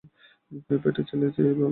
পেটের ছেলের চেয়ে ভালোবাসে?